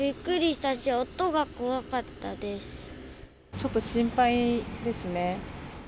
ちょっと心配ですね。